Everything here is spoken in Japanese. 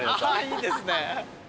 いいですね。